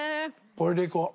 これでいこう。